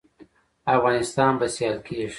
افغانستان به سیال کیږي